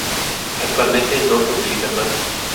Actualmente no se utilizan más.